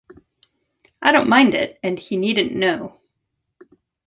'I don't mind it, and he needn't know.